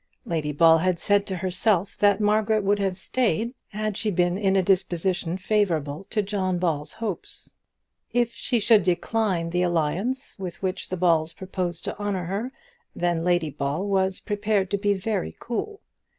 Lady Ball had said to herself that Margaret would have stayed had she been in a disposition favourable to John Ball's hopes. If she should decline the alliance with which the Balls proposed to honour her, then Lady Ball was prepared to be very cool.